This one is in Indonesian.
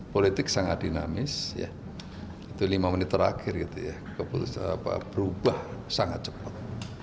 politik sangat dinamis itu lima menit terakhir keputusan berubah sangat cepat